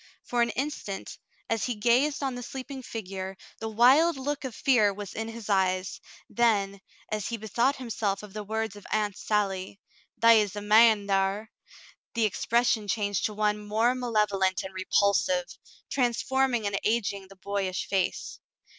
For an instant, as he gazed on the sleeping figure, the wild look of fear was in his eyes ; then, as he bethought himself of the words of Aunt Sally, "They is a man thar," the ex pression changed to one more malevolent and repulsive, transforming and aging the boyish face.